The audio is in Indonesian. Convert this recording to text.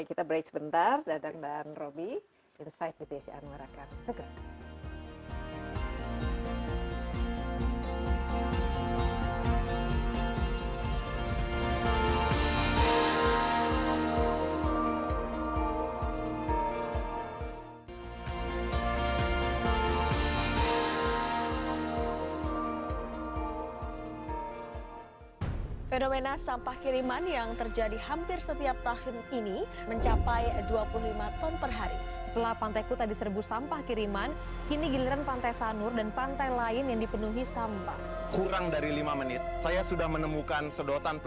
iya oke kita break sebentar dadang dan robby insight di psi anwar akan segera